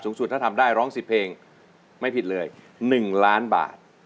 ถ้าทำได้ร้อง๑๐เพลงไม่ผิดเลย๑ล้านบาท